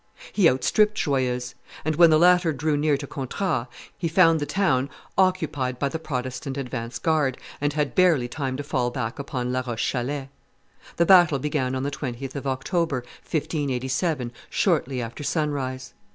He outstripped Joyeuse; and when the latter drew near to Contras, he found the town occupied by the Protestant advance guard, and had barely time to fall back upon La Roche Chalais. The battle began on the 20th of October, 1587, shortly after sunrise.